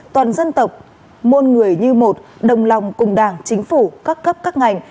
toàn dân tộc muôn người như một đồng lòng cùng đảng chính phủ các cấp các ngành